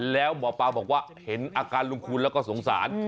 แล้วหมอปลาบอกว่าเห็นอาการลุงคุณแล้วก็สงสาร